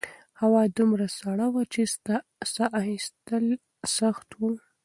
هوا دومره سړه وه چې سا ایستل سخت وو.